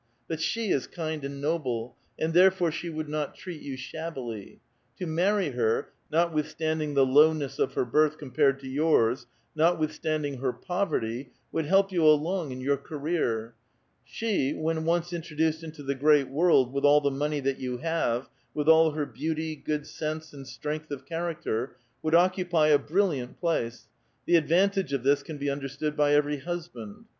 But she is kind and noble, and therefore she would not treat you shabbil}'. To marry her, notwithstanding the lowness of her birth compared to yours, notwithstanding her poverty, would help you along in your career ; she, when once introduced into the ' great world ' with all the money that you have, with all her beauty, good sense, and strength of character, would occupy a bril liant place ; the advantage of this can be understood by every husband.